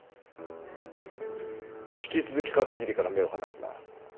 引き続き片桐から目を離すな。